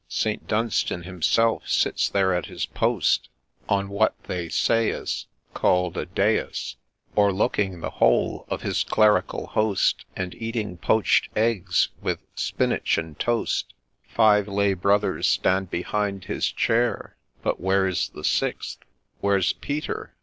St. Dunstan himself sits there at his post, On what they say is Called a Dais, O'erlooking the whole of his clerical host, And eating poach'd eggs with spinach and toast ; Five Lay brothers stand behind his chair, But where is the sixth ?— Where 's Peter